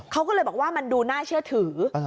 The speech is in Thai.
เขาก็เลยบอกว่ามันดูน่าเชื่อถือ